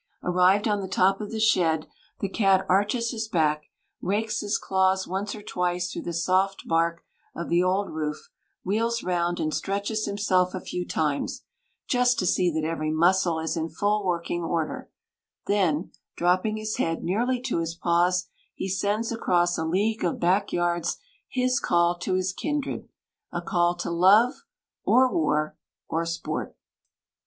Arrived on the top of the shed, the cat arches his back, rakes his claws once or twice through the soft bark of the old roof, wheels round and stretches himself a few times; just to see that every muscle is in full working order; then, dropping his head nearly to his paws, he sends across a league of backyards his call to his kindred a call to love, or war, or sport.